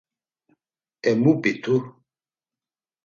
E mu p̌itu?